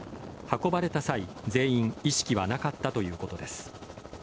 運ばれた際、全員意識はなかったということです。